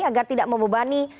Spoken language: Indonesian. agar tidak membebani